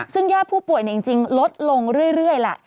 ซึ่งยอดผู้ป่วยจริงลดลงเรื่อยแหละ